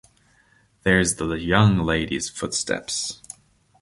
There’s the young lady’s footsteps.